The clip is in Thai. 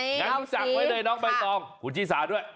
งั้นรู้จักไว้เลยน้องใบตองคุณชีสาด้วย